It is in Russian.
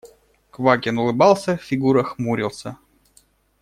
Квакин улыбался, Фигура хмурился.